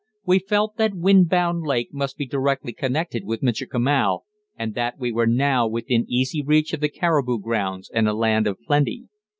We felt that Windbound Lake must be directly connected with Michikamau, and that we were now within easy reach of the caribou grounds and a land of plenty.